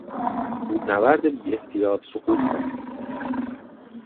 کوهنورد بیاحتیاط سقوط کرد.